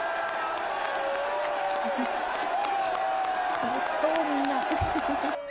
楽しそうみんな。